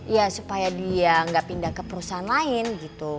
ya supaya dia nggak pindah ke perusahaan lain gitu